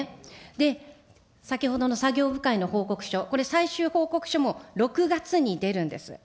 で、先ほどの作業部会の報告書、これ最終報告書も６月に出るんです。